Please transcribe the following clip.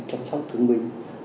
chăm sóc thương binh